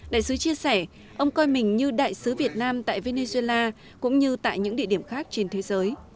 đại sứ chia sẻ ông coi mình như đại sứ việt nam tại venezuela cũng như tại những địa điểm khác trên thế giới